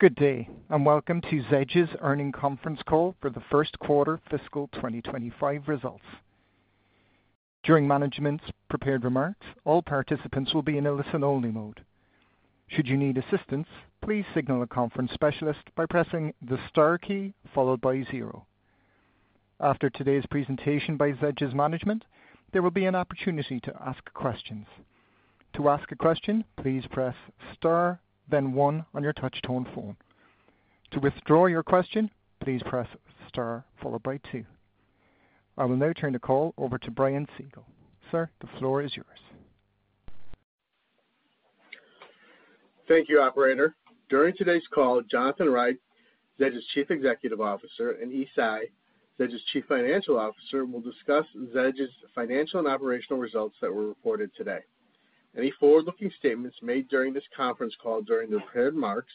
Good day, and welcome to Zedge's earnings conference call for the first quarter fiscal 2025 results. During management's prepared remarks, all participants will be in a listen-only mode. Should you need assistance, please signal a conference specialist by pressing the star key followed by zero. After today's presentation by Zedge's management, there will be an opportunity to ask questions. To ask a question, please press star, then one on your touch-tone phone. To withdraw your question, please press star followed by two. I will now turn the call over to Brian Siegel. Sir, the floor is yours. Thank you, Operator. During today's call, Jonathan Reich, Zedge's Chief Executive Officer, and Yi Tsai, Zedge's Chief Financial Officer, will discuss Zedge's financial and operational results that were reported today. Any forward-looking statements made during this conference call during the prepared remarks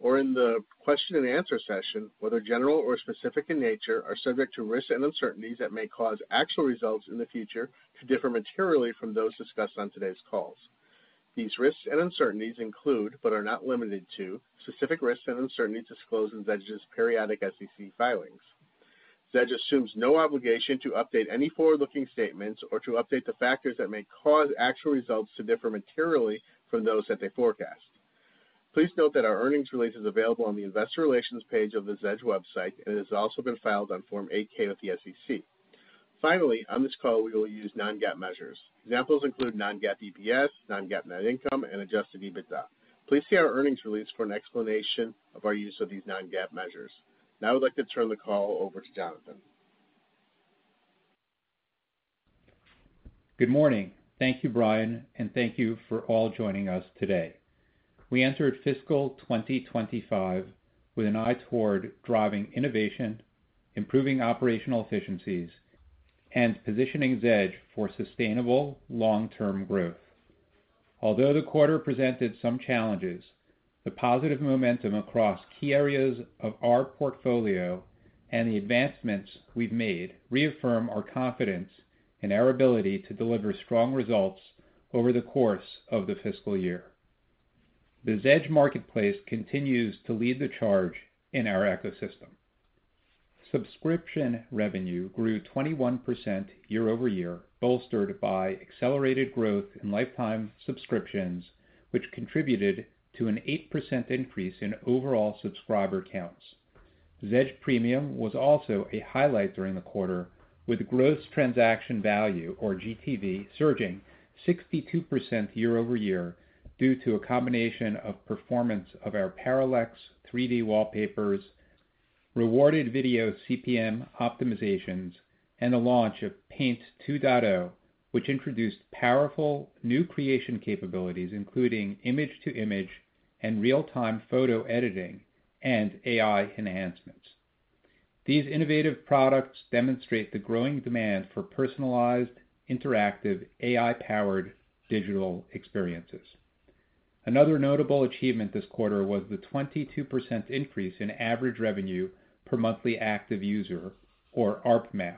or in the question-and-answer session, whether general or specific in nature, are subject to risks and uncertainties that may cause actual results in the future to differ materially from those discussed on today's calls. These risks and uncertainties include, but are not limited to, specific risks and uncertainties disclosed in Zedge's periodic SEC filings. Zedge assumes no obligation to update any forward-looking statements or to update the factors that may cause actual results to differ materially from those that they forecast. Please note that our earnings release is available on the investor relations page of the Zedge website, and it has also been filed on Form 8-K with the SEC. Finally, on this call, we will use non-GAAP measures. Examples include non-GAAP EPS, non-GAAP net income, and Adjusted EBITDA. Please see our earnings release for an explanation of our use of these non-GAAP measures. Now I'd like to turn the call over to Jonathan. Good morning. Thank you, Brian, and thank you all for joining us today. We entered fiscal 2025 with an eye toward driving innovation, improving operational efficiencies, and positioning Zedge for sustainable long-term growth. Although the quarter presented some challenges, the positive momentum across key areas of our portfolio and the advancements we've made reaffirm our confidence in our ability to deliver strong results over the course of the fiscal year. The Zedge marketplace continues to lead the charge in our ecosystem. Subscription revenue grew 21% year-over-year, bolstered by accelerated growth in lifetime subscriptions, which contributed to an 8% increase in overall subscriber counts. Zedge Premium was also a highlight during the quarter, with gross transaction value, or GTV, surging 62% year-over-year due to a combination of performance of our Parallax 3D wallpapers, rewarded video CPM optimizations, and the launch of Paint 2.0, which introduced powerful new creation capabilities, including image-to-image and real-time photo editing and AI enhancements. These innovative products demonstrate the growing demand for personalized, interactive, AI-powered digital experiences. Another notable achievement this quarter was the 22% increase in average revenue per monthly active user, or ARPMAU,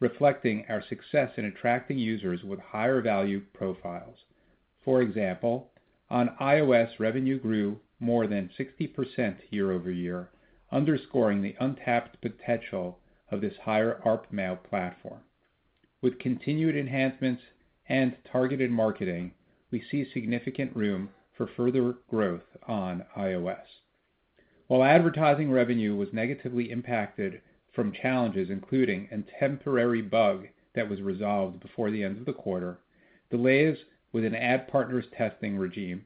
reflecting our success in attracting users with higher value profiles. For example, on iOS, revenue grew more than 60% year-over-year, underscoring the untapped potential of this higher ARPMAU platform. With continued enhancements and targeted marketing, we see significant room for further growth on iOS. While advertising revenue was negatively impacted from challenges, including a temporary bug that was resolved before the end of the quarter, delays with an ad partner's testing regime,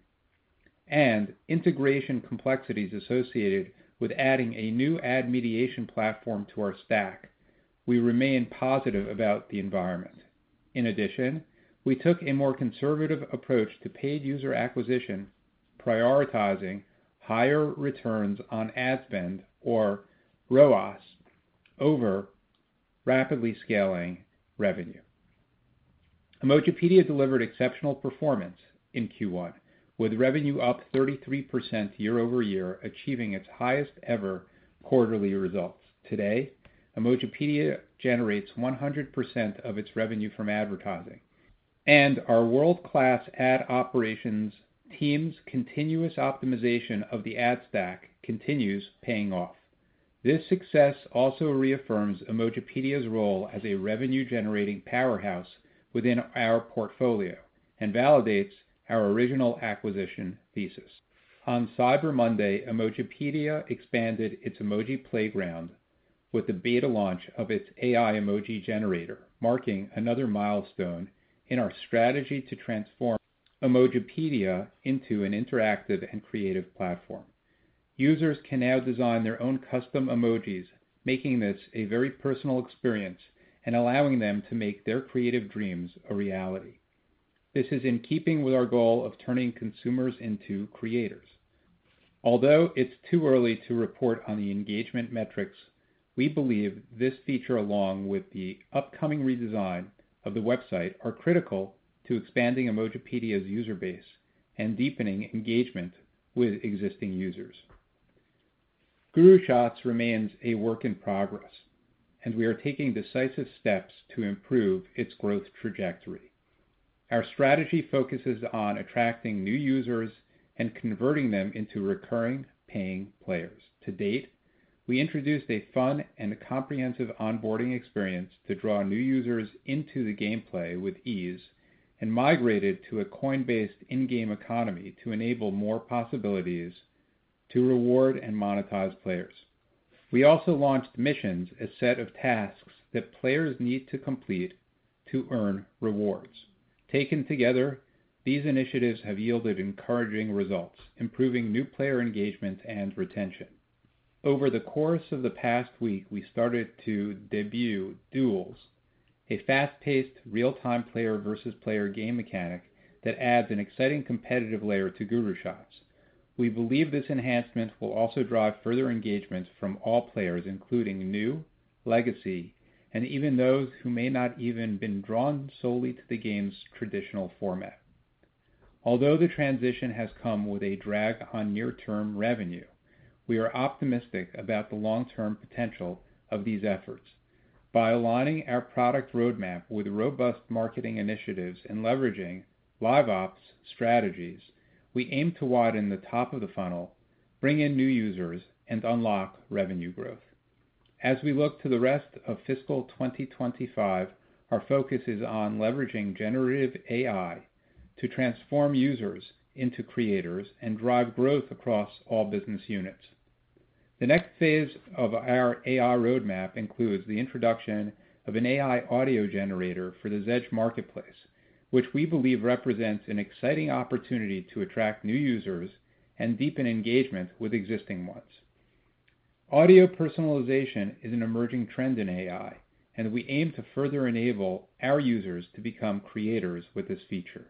and integration complexities associated with adding a new ad mediation platform to our stack, we remain positive about the environment. In addition, we took a more conservative approach to paid user acquisition, prioritizing higher returns on ad spend, or ROAS, over rapidly scaling revenue. Emojipedia delivered exceptional performance in Q1, with revenue up 33% year-over-year, achieving its highest-ever quarterly results. Today, Emojipedia generates 100% of its revenue from advertising, and our world-class ad operations team's continuous optimization of the ad stack continues paying off. This success also reaffirms Emojipedia's role as a revenue-generating powerhouse within our portfolio and validates our original acquisition thesis. On Cyber Monday, Emojipedia expanded its emoji playground with the beta launch of its AI Emoji Generator, marking another milestone in our strategy to transform Emojipedia into an interactive and creative platform. Users can now design their own custom emojis, making this a very personal experience and allowing them to make their creative dreams a reality. This is in keeping with our goal of turning consumers into creators. Although it's too early to report on the engagement metrics, we believe this feature, along with the upcoming redesign of the website, are critical to expanding Emojipedia's user base and deepening engagement with existing users. GuruShots remains a work in progress, and we are taking decisive steps to improve its growth trajectory. Our strategy focuses on attracting new users and converting them into recurring paying players. To date, we introduced a fun and comprehensive onboarding experience to draw new users into the gameplay with ease and migrated to a coin-based in-game economy to enable more possibilities to reward and monetize players. We also launched missions, a set of tasks that players need to complete to earn rewards. Taken together, these initiatives have yielded encouraging results, improving new player engagement and retention. Over the course of the past week, we started to debut Duels, a fast-paced, real-time player-versus-player game mechanic that adds an exciting competitive layer to GuruShots. We believe this enhancement will also drive further engagement from all players, including new, legacy, and even those who may not even have been drawn solely to the game's traditional format. Although the transition has come with a drag on near-term revenue, we are optimistic about the long-term potential of these efforts. By aligning our product roadmap with robust marketing initiatives and leveraging Live Ops strategies, we aim to widen the top of the funnel, bring in new users, and unlock revenue growth. As we look to the rest of fiscal 2025, our focus is on leveraging Generative AI to transform users into creators and drive growth across all business units. The next phase of our AI roadmap includes the introduction of an AI audio generator for the Zedge Marketplace, which we believe represents an exciting opportunity to attract new users and deepen engagement with existing ones. Audio personalization is an emerging trend in AI, and we aim to further enable our users to become creators with this feature.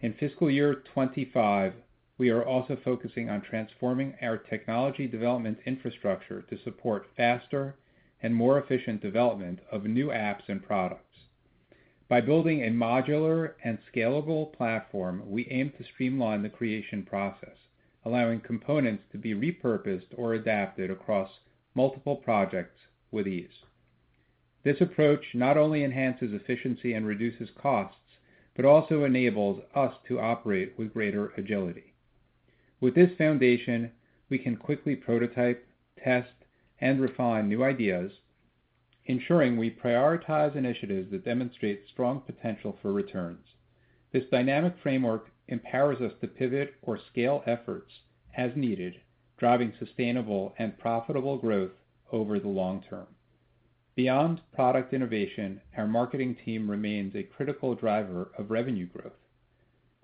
In fiscal year 2025, we are also focusing on transforming our technology development infrastructure to support faster and more efficient development of new apps and products. By building a modular and scalable platform, we aim to streamline the creation process, allowing components to be repurposed or adapted across multiple projects with ease. This approach not only enhances efficiency and reduces costs but also enables us to operate with greater agility. With this foundation, we can quickly prototype, test, and refine new ideas, ensuring we prioritize initiatives that demonstrate strong potential for returns. This dynamic framework empowers us to pivot or scale efforts as needed, driving sustainable and profitable growth over the long term. Beyond product innovation, our marketing team remains a critical driver of revenue growth.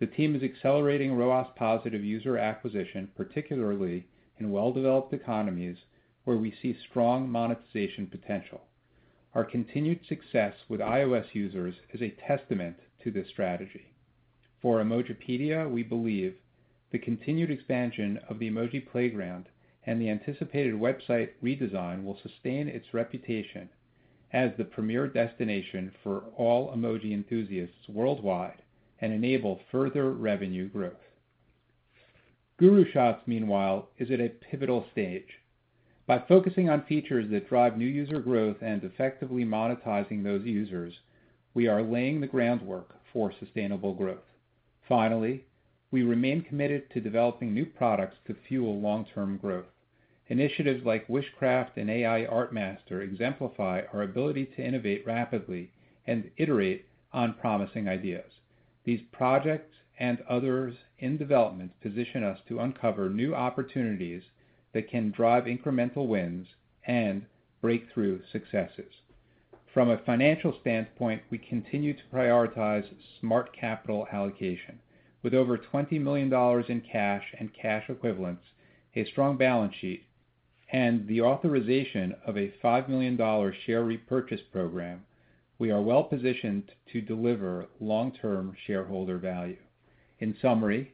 The team is accelerating ROAS-positive user acquisition, particularly in well-developed economies where we see strong monetization potential. Our continued success with iOS users is a testament to this strategy. For Emojipedia, we believe the continued expansion of the emoji playground and the anticipated website redesign will sustain its reputation as the premier destination for all emoji enthusiasts worldwide and enable further revenue growth. GuruShots, meanwhile, is at a pivotal stage. By focusing on features that drive new user growth and effectively monetizing those users, we are laying the groundwork for sustainable growth. Finally, we remain committed to developing new products to fuel long-term growth. Initiatives like Wishcraft and AI Art Master exemplify our ability to innovate rapidly and iterate on promising ideas. These projects and others in development position us to uncover new opportunities that can drive incremental wins and breakthrough successes. From a financial standpoint, we continue to prioritize smart capital allocation. With over $20 million in cash and cash equivalents, a strong balance sheet, and the authorization of a $5 million share repurchase program, we are well positioned to deliver long-term shareholder value. In summary,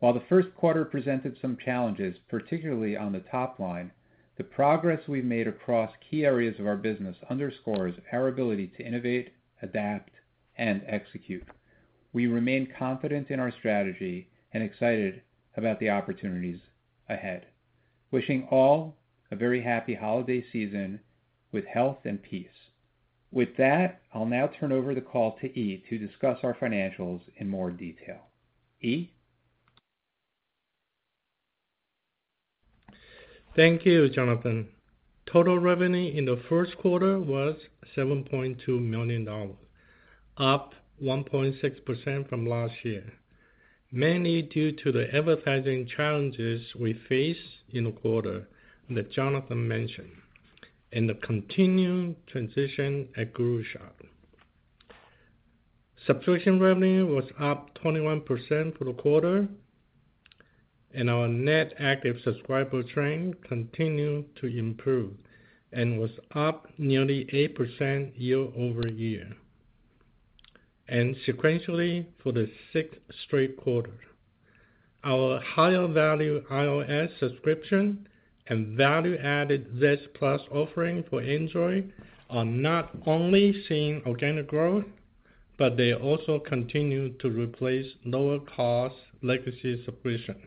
while the first quarter presented some challenges, particularly on the top line, the progress we've made across key areas of our business underscores our ability to innovate, adapt, and execute. We remain confident in our strategy and excited about the opportunities ahead. Wishing all a very happy holiday season with health and peace. With that, I'll now turn over the call to Yi to discuss our financials in more detail. Yi? Thank you, Jonathan. Total revenue in the first quarter was $7.2 million, up 1.6% from last year, mainly due to the advertising challenges we faced in the quarter that Jonathan mentioned and the continued transition at GuruShots. Subscription revenue was up 21% for the quarter, and our net active subscriber count continued to improve and was up nearly 8% year-over-year, and sequentially for the sixth straight quarter. Our higher-value iOS subscription and value-added Zedge Plus offering for Android are not only seeing organic growth, but they also continue to replace lower-cost legacy subscriptions,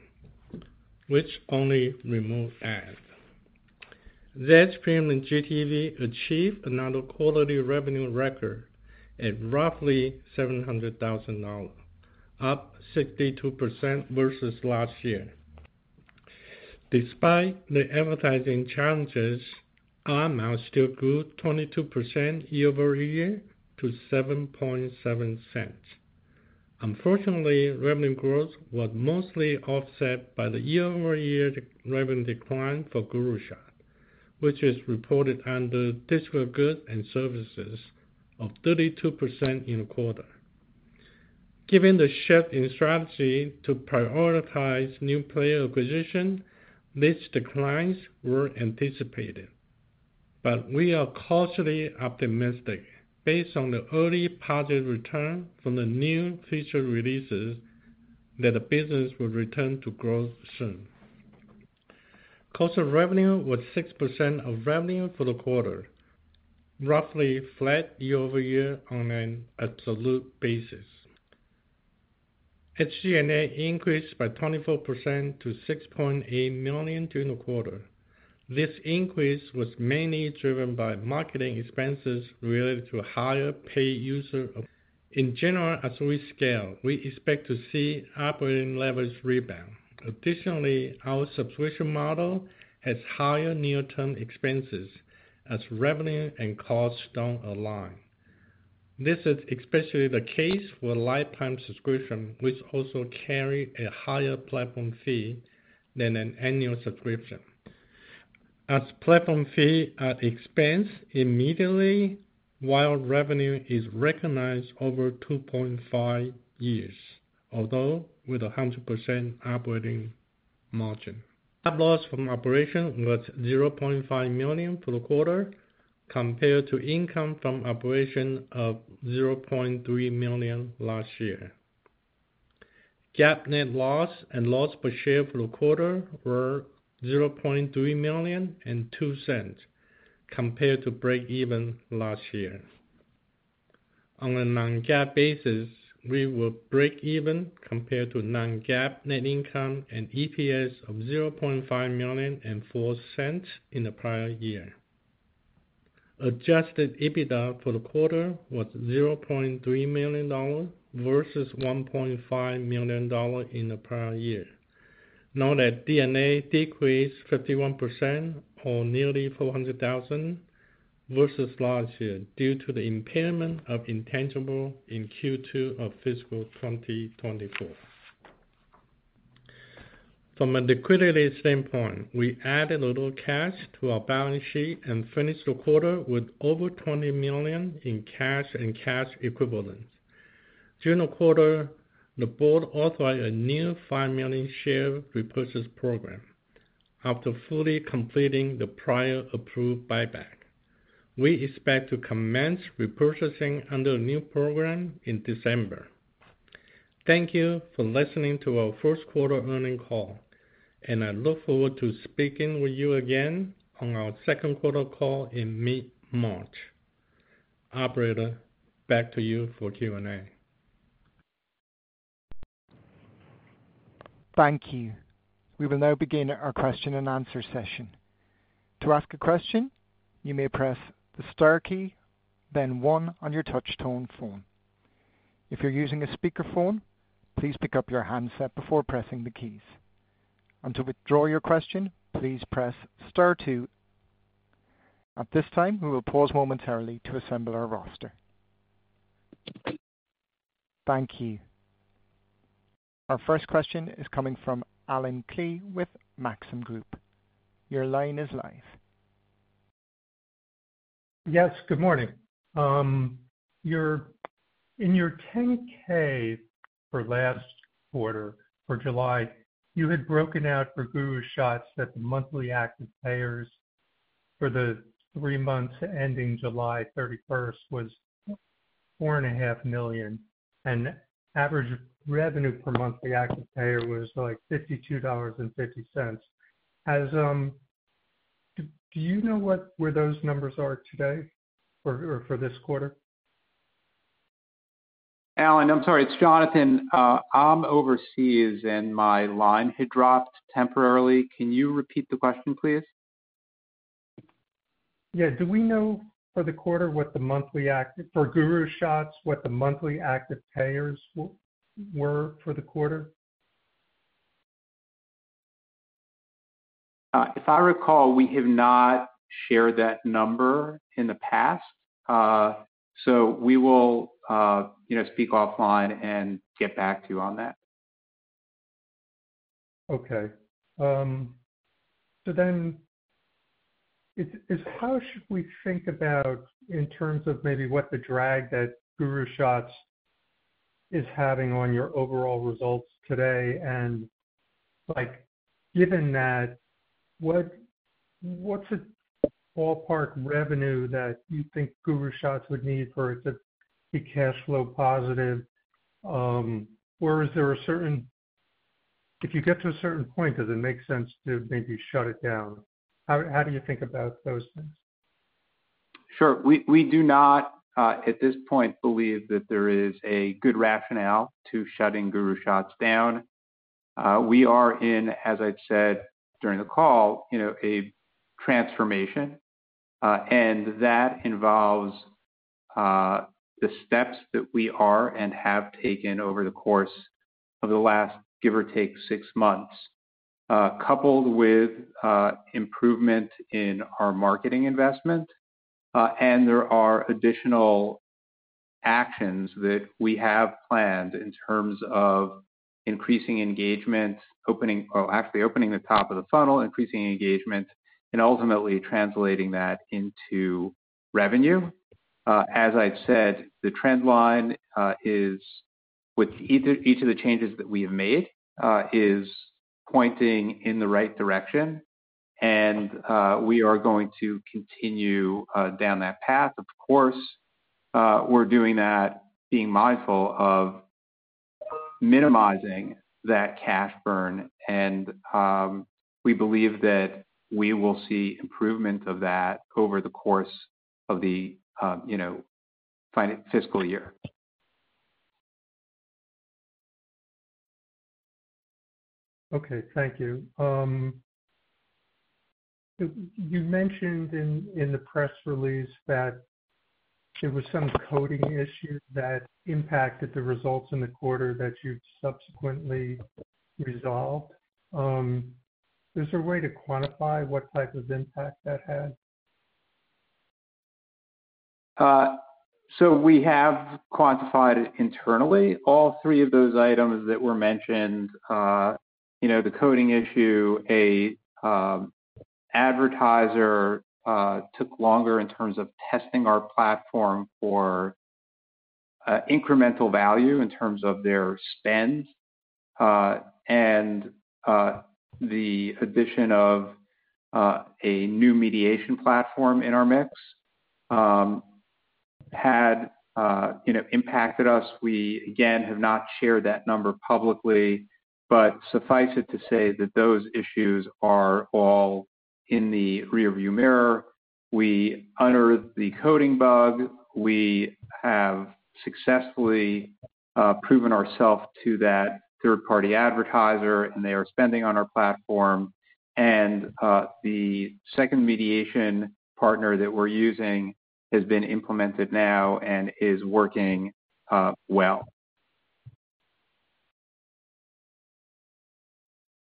which only remove ads. Zedge Premium GTV achieved another quarterly revenue record at roughly $700,000, up 62% versus last year. Despite the advertising challenges, our ARPMAU still grew 22% year-over-year to 7.7%. Unfortunately, revenue growth was mostly offset by the year-over-year revenue decline for GuruShots, which is reported under digital goods and services of 32% in the quarter. Given the shift in strategy to prioritize new player acquisition, these declines were anticipated, but we are cautiously optimistic based on the early positive return from the new feature releases that the business will return to growth soon. Cost of revenue was 6% of revenue for the quarter, roughly flat year-over-year on an absolute basis. SG&A increased by 24% to $6.8 million during the quarter. This increase was mainly driven by marketing expenses related to higher paid user. In general, as we scale, we expect to see operating leverage rebound. Additionally, our subscription model has higher near-term expenses as revenue and costs don't align. This is especially the case for lifetime subscriptions, which also carry a higher platform fee than an annual subscription, as platform fees are expensed immediately while revenue is recognized over 2.5 years, although with a 100% operating margin. Net loss from operations was $0.5 million for the quarter, compared to income from operations of $0.3 million last year. GAAP net loss and loss per share for the quarter were $0.3 million and $0.02, compared to break-even last year. On a non-GAAP basis, we were break-even compared to non-GAAP net income and EPS of $0.5 million and $0.04 in the prior year. Adjusted EBITDA for the quarter was $0.3 million versus $1.5 million in the prior year. Noted DNA decreased 51% or nearly $400,000 versus last year due to the impairment of intangible in Q2 of fiscal 2024. From a liquidity standpoint, we added a little cash to our balance sheet and finished the quarter with over $20 million in cash and cash equivalents. During the quarter, the board authorized a new $5 million share repurchase program after fully completing the prior approved buyback. We expect to commence repurchasing under the new program in December. Thank you for listening to our first quarter earnings call, and I look forward to speaking with you again on our second quarter call in mid-March. Operator, back to you for Q&A. Thank you. We will now begin our question and answer session. To ask a question, you may press the star key, then 1 on your touch-tone phone. If you're using a speakerphone, please pick up your handset before pressing the keys. And to withdraw your question, please press star 2. At this time, we will pause momentarily to assemble our roster. Thank you. Our first question is coming from Alan Klee with Maxim Group. Your line is live. Yes, good morning. In your 10K for last quarter for July, you had broken out for GuruShots that the monthly active payers for the three months ending July 31st was $4.5 million, and average revenue per monthly active payer was like $52.50. Do you know where those numbers are today or for this quarter? Alan, I'm sorry. It's Jonathan. I'm overseas, and my line had dropped temporarily. Can you repeat the question, please? Yeah. Do we know for the quarter what the monthly active for GuruShots, what the monthly active payers were for the quarter? If I recall, we have not shared that number in the past, so we will speak offline and get back to you on that. Okay. So then how should we think about in terms of maybe what the drag that GuruShots is having on your overall results today? And given that, what's a ballpark revenue that you think GuruShots would need for it to be cash flow positive? Or is there a certain, if you get to a certain point, does it make sense to maybe shut it down? How do you think about those things? Sure. We do not, at this point, believe that there is a good rationale to shutting GuruShots down. We are in, as I've said during the call, a transformation, and that involves the steps that we are and have taken over the course of the last, give or take, six months, coupled with improvement in our marketing investment. And there are additional actions that we have planned in terms of increasing engagement, opening, well, actually opening the top of the funnel, increasing engagement, and ultimately translating that into revenue. As I've said, the trend line is with each of the changes that we have made is pointing in the right direction, and we are going to continue down that path. Of course, we're doing that being mindful of minimizing that cash burn, and we believe that we will see improvement of that over the course of the fiscal year. Okay. Thank you. You mentioned in the press release that there were some coding issues that impacted the results in the quarter that you've subsequently resolved. Is there a way to quantify what type of impact that had? So we have quantified it internally. All three of those items that were mentioned, the coding issue, an advertiser took longer in terms of testing our platform for incremental value in terms of their spend, and the addition of a new mediation platform in our mix had impacted us. We, again, have not shared that number publicly, but suffice it to say that those issues are all in the rearview mirror. We honored the coding bug. We have successfully proven ourselves to that third-party advertiser, and they are spending on our platform. And the second mediation partner that we're using has been implemented now and is working well.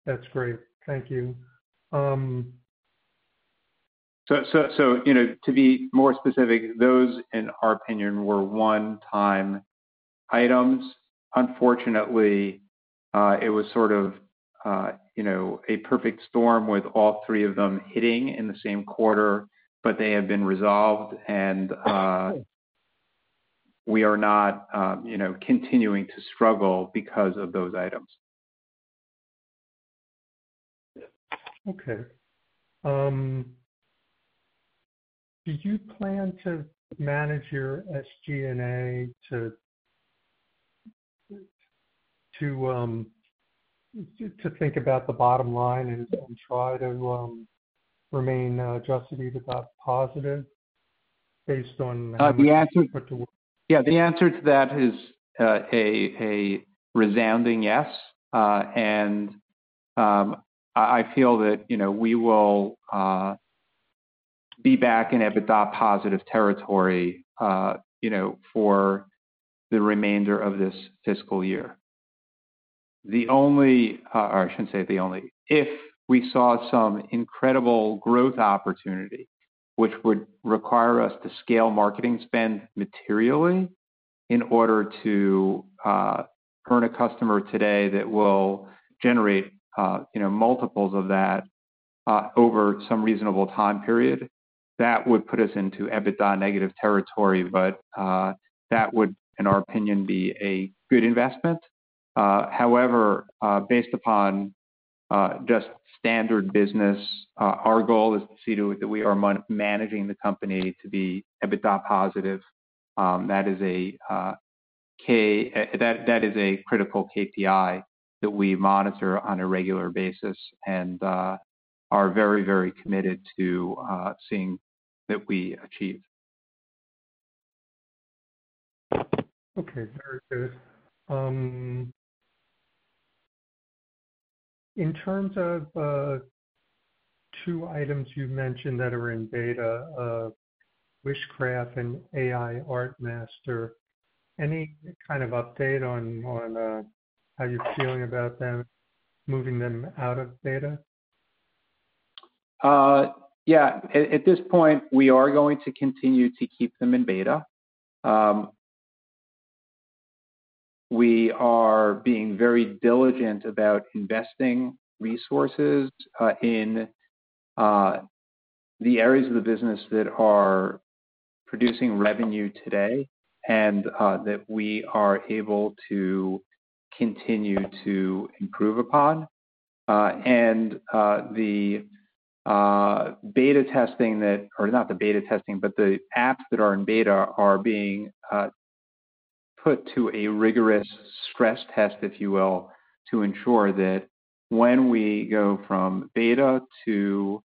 That's great. Thank you. So to be more specific, those, in our opinion, were one-time items. Unfortunately, it was sort of a perfect storm with all three of them hitting in the same quarter, but they have been resolved, and we are not continuing to struggle because of those items. Okay. Do you plan to manage your SG&A to think about the bottom line and try to remain just about positive based on the. Yeah. The answer to that is a resounding yes. I feel that we will be back in a bit of positive territory for the remainder of this fiscal year. The only, or I shouldn't say the only, if we saw some incredible growth opportunity, which would require us to scale marketing spend materially in order to earn a customer today that will generate multiples of that over some reasonable time period, that would put us into EBITDA negative territory. But that would, in our opinion, be a good investment. However, based upon just standard business, our goal is to see that we are managing the company to be EBITDA positive. That is a critical KPI that we monitor on a regular basis and are very, very committed to seeing that we achieve. Okay. Very good. In terms of two items you've mentioned that are in beta, Wishcraft and AI Art Master, any kind of update on how you're feeling about them moving them out of beta? Yeah. At this point, we are going to continue to keep them in beta. We are being very diligent about investing resources in the areas of the business that are producing revenue today and that we are able to continue to improve upon. And the beta testing that, or not the beta testing, but the apps that are in beta, are being put to a rigorous stress test, if you will, to ensure that when we go from beta to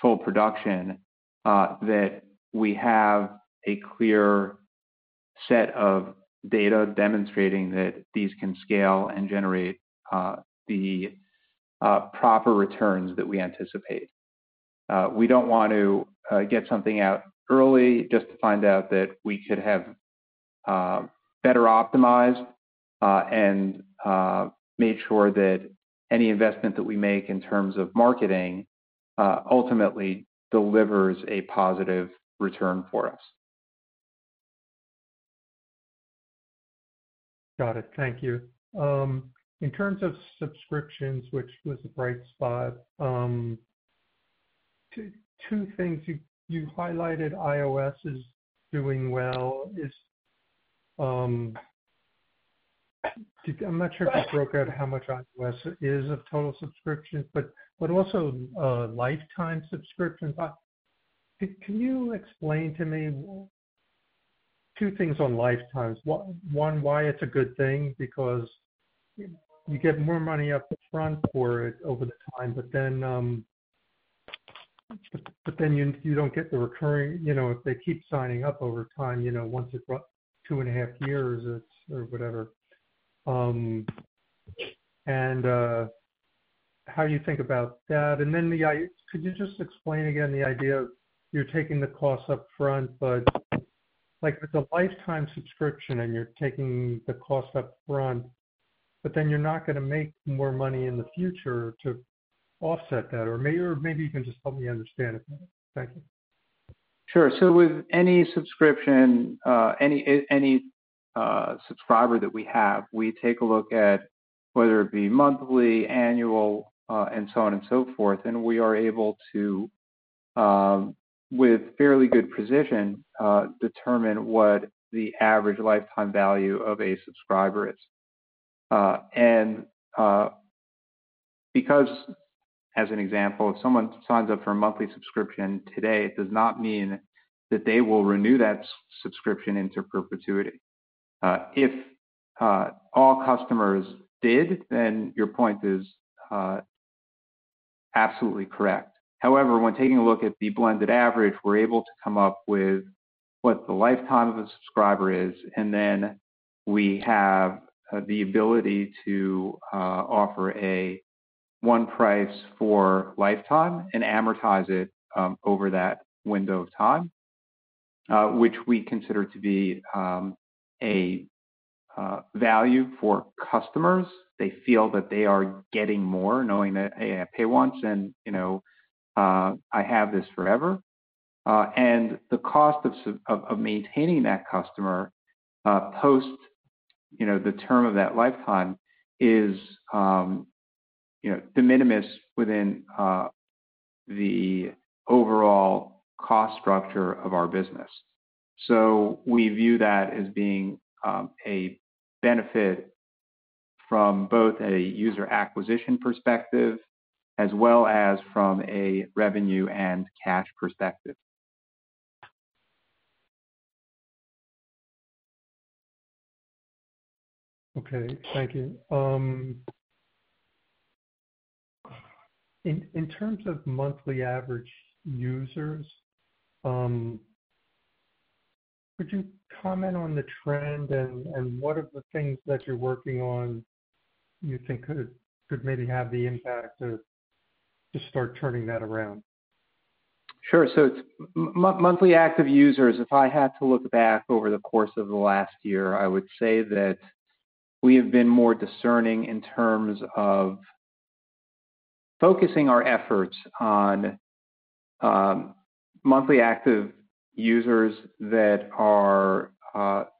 full production, that we have a clear set of data demonstrating that these can scale and generate the proper returns that we anticipate. We don't want to get something out early just to find out that we could have better optimized and made sure that any investment that we make in terms of marketing ultimately delivers a positive return for us. Got it. Thank you. In terms of subscriptions, which was a bright spot, two things you highlighted: iOS is doing well. I'm not sure if you broke out how much iOS is of total subscriptions, but also lifetime subscriptions. Can you explain to me two things on lifetimes? One, why it's a good thing because you get more money up front for it over the time, but then you don't get the recurring—if they keep signing up over time, once it's two and a half years or whatever, and how do you think about that? And then could you just explain again the idea of you're taking the cost up front, but it's a lifetime subscription, and you're taking the cost up front, but then you're not going to make more money in the future to offset that? Or maybe you can just help me understand it better. Thank you. Sure. So with any subscription, any subscriber that we have, we take a look at whether it be monthly, annual, and so on and so forth. And we are able to, with fairly good precision, determine what the average lifetime value of a subscriber is. And because, as an example, if someone signs up for a monthly subscription today, it does not mean that they will renew that subscription into perpetuity. If all customers did, then your point is absolutely correct. However, when taking a look at the blended average, we're able to come up with what the lifetime of a subscriber is, and then we have the ability to offer a one price for lifetime and amortize it over that window of time, which we consider to be a value for customers. They feel that they are getting more, knowing that, "Hey, I pay once, and I have this forever." And the cost of maintaining that customer post the term of that lifetime is de minimis within the overall cost structure of our business. So we view that as being a benefit from both a user acquisition perspective as well as from a revenue and cash perspective. Okay. Thank you. In terms of monthly active users, could you comment on the trend and what are the things that you're working on you think could maybe have the impact to start turning that around? Sure. So monthly active users, if I had to look back over the course of the last year, I would say that we have been more discerning in terms of focusing our efforts on monthly active users that are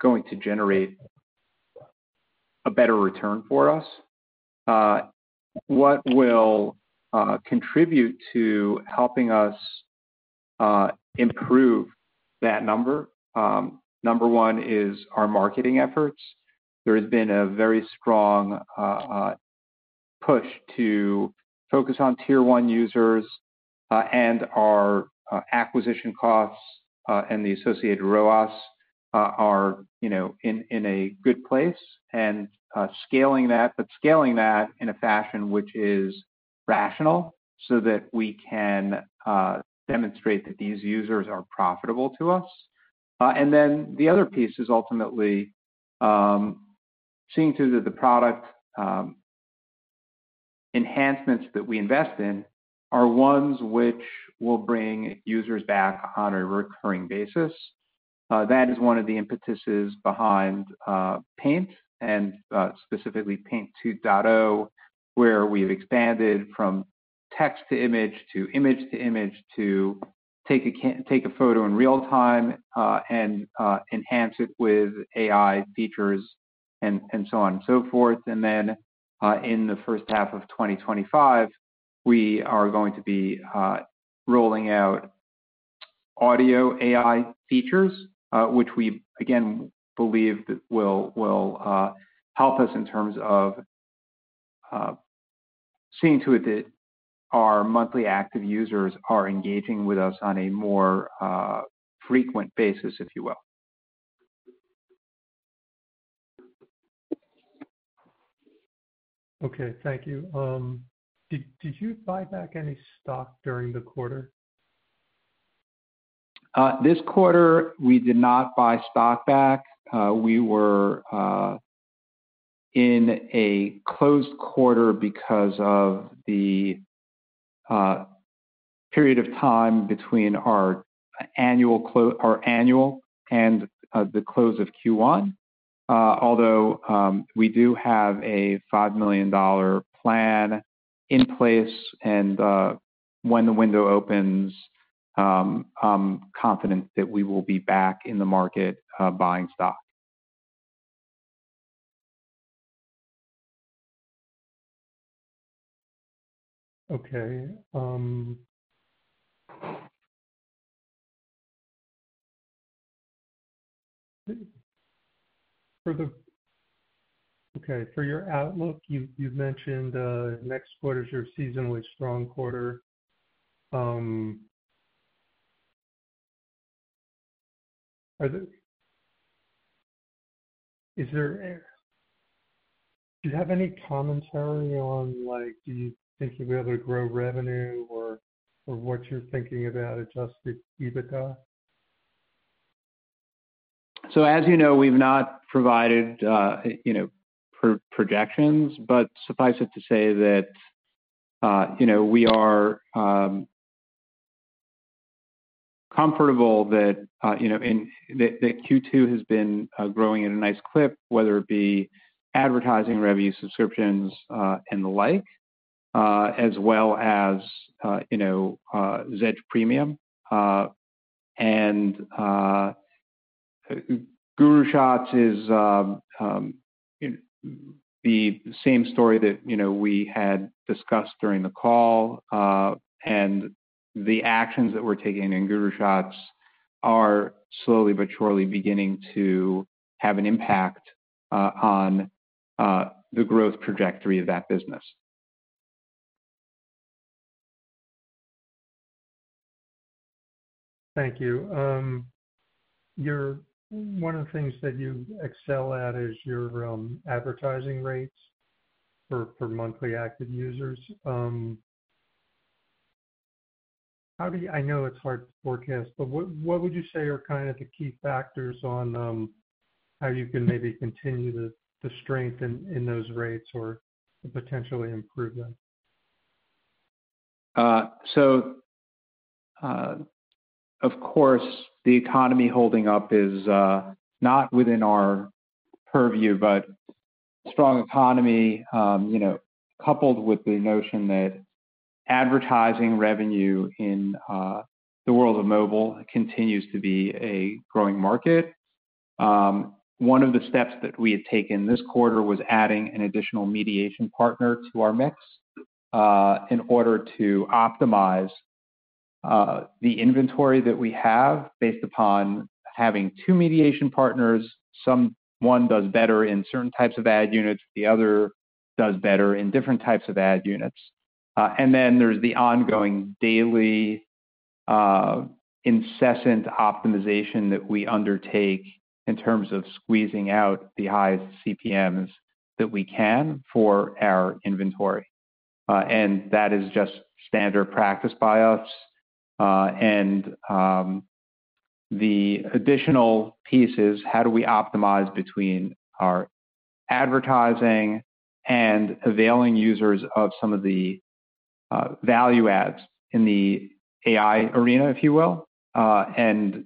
going to generate a better return for us. What will contribute to helping us improve that number? Number one is our marketing efforts. There has been a very strong push to focus on tier one users, and our acquisition costs and the associated ROAS are in a good place. And scaling that, but scaling that in a fashion which is rational so that we can demonstrate that these users are profitable to us. And then the other piece is ultimately seeing through that the product enhancements that we invest in are ones which will bring users back on a recurring basis. That is one of the impetuses behind Paint and specifically Paint 2.0, where we've expanded from text-to-image to image-to-image to take a photo in real time and enhance it with AI features and so on and so forth. And then in the first half of 2025, we are going to be rolling out audio AI features, which we, again, believe that will help us in terms of seeing through that our monthly active users are engaging with us on a more frequent basis, if you will. Okay. Thank you. Did you buy back any stock during the quarter? This quarter, we did not buy stock back. We were in a closed quarter because of the period of time between our annual and the close of Q1, although we do have a $5 million plan in place. And when the window opens, I'm confident that we will be back in the market buying stock. Okay. Okay. For your outlook, you've mentioned next quarter is your seasonally strong quarter. Do you have any commentary on do you think you'll be able to grow revenue or what you're thinking about Adjusted EBITDA? So as you know, we've not provided projections, but suffice it to say that we are comfortable that Q2 has been growing at a nice clip, whether it be advertising revenue, subscriptions, and the like, as well as Zedge Premium. And GuruShots is the same story that we had discussed during the call. And the actions that we're taking in GuruShots are slowly but surely beginning to have an impact on the growth trajectory of that business. Thank you. One of the things that you excel at is your advertising rates for monthly active users. I know it's hard to forecast, but what would you say are kind of the key factors on how you can maybe continue to strengthen in those rates or potentially improve them? So, of course, the economy holding up is not within our purview, but strong economy coupled with the notion that advertising revenue in the world of mobile continues to be a growing market. One of the steps that we had taken this quarter was adding an additional mediation partner to our mix in order to optimize the inventory that we have based upon having two mediation partners. One does better in certain types of ad units. The other does better in different types of ad units. And then there's the ongoing daily incessant optimization that we undertake in terms of squeezing out the highest CPMs that we can for our inventory. And that is just standard practice by us. And the additional piece is how do we optimize between our advertising and availing users of some of the value adds in the AI arena, if you will, and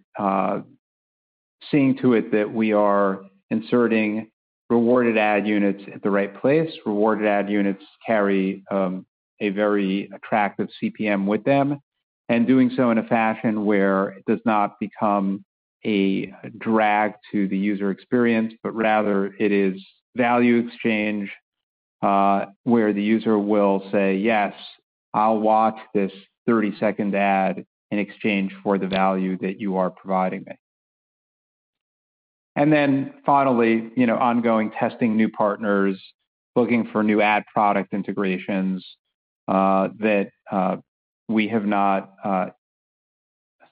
seeing to it that we are inserting rewarded ad units at the right place. Rewarded ad units carry a very attractive CPM with them and doing so in a fashion where it does not become a drag to the user experience, but rather it is value exchange where the user will say, "Yes, I'll watch this 30-second ad in exchange for the value that you are providing me." And then finally, ongoing testing new partners, looking for new ad product integrations that we have not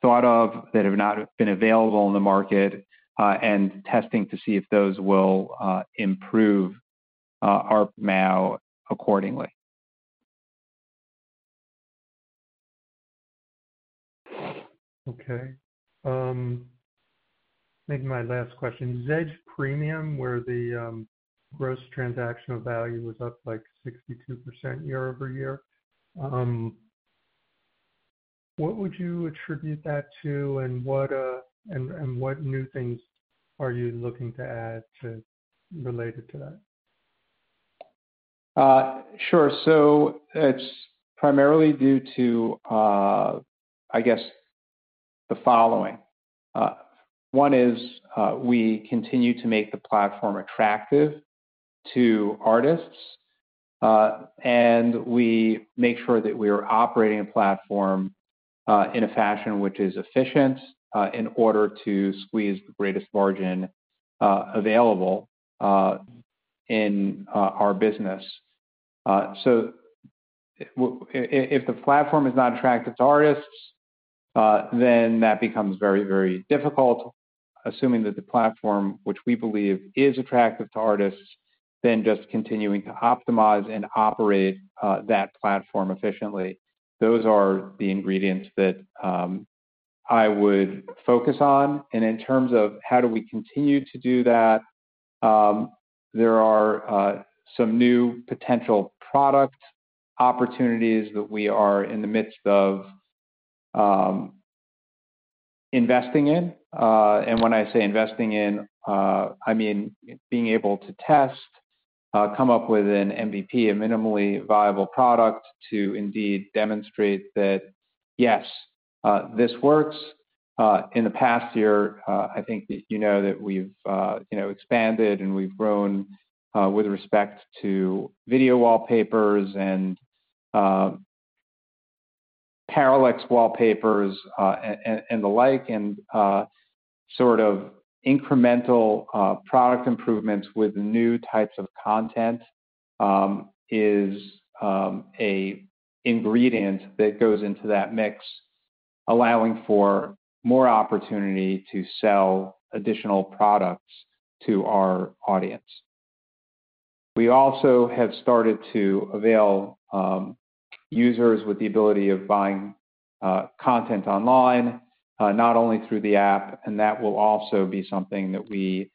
thought of, that have not been available in the market, and testing to see if those will improve our MAU accordingly. Okay. Maybe my last question. Zedge Premium, where the Gross Transaction Value was up like 62% year-over-year. What would you attribute that to, and what new things are you looking to add related to that? Sure. So it's primarily due to, I guess, the following. One is we continue to make the platform attractive to artists, and we make sure that we are operating a platform in a fashion which is efficient in order to squeeze the greatest margin available in our business. So if the platform is not attractive to artists, then that becomes very, very difficult. Assuming that the platform, which we believe is attractive to artists, then just continuing to optimize and operate that platform efficiently. Those are the ingredients that I would focus on. And in terms of how do we continue to do that, there are some new potential product opportunities that we are in the midst of investing in. And when I say investing in, I mean being able to test, come up with an MVP, a minimally viable product to indeed demonstrate that, yes, this works. In the past year, I think that you know that we've expanded and we've grown with respect to video wallpapers and parallax wallpapers and the like, and sort of incremental product improvements with new types of content is an ingredient that goes into that mix, allowing for more opportunity to sell additional products to our audience. We also have started to avail users with the ability of buying content online, not only through the app, and that will also be something that we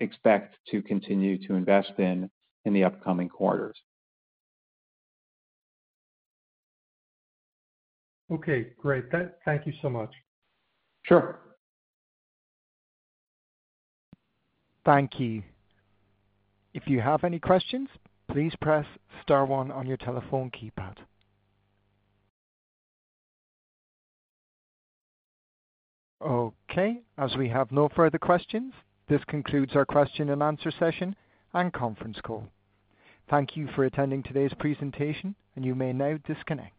expect to continue to invest in in the upcoming quarters. Okay. Great. Thank you so much. Sure. Thank you. If you have any questions, please press star one on your telephone keypad. Okay. As we have no further questions, this concludes our question and answer session and conference call. Thank you for attending today's presentation, and you may now disconnect.